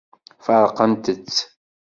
Feṛqent-tt.